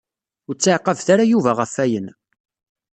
Ur ttɛaqabet ara Yuba ɣef ayen.